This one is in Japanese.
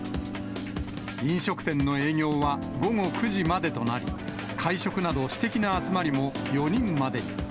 飲食店の営業は午後９時までとなり、会食など私的な集まりも４人までに。